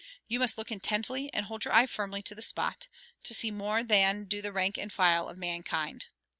You must look intently and hold your eye firmly to the spot, to see more than do the rank and file of mankind.